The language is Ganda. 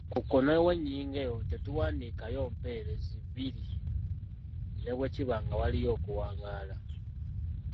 Ku kkono w’ennyingo eyo tetuwandiikayo mpeerezi bbiri ne bwe kiba nga waliyo okuwangaala.